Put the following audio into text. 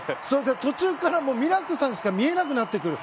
途中からミラークさんしか見えなくなってくる。